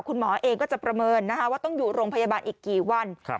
คุณหมอเองก็จะประเมินว่าต้องอยู่โรงพยาบาลอีกกี่วัน